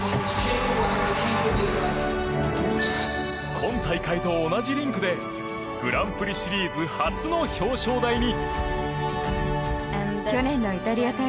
今大会と同じリンクでグランプリシリーズ初の表彰台に。